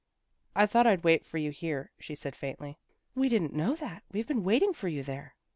" I thought I'd wait for you here," she said faintly. " We didn't know that. We've been waiting for you there."